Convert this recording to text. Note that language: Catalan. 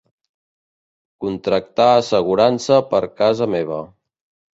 Contractar assegurança per casa meva.